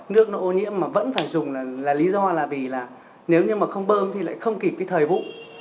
nước nội ô nhiễm vẫn phải dùng là lý do là vì nếu không bơm thì lại không kịp thời vụ